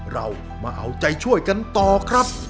เรามาเอาใจช่วยกันต่อครับ